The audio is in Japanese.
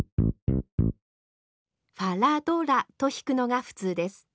ファラドラと弾くのが普通です。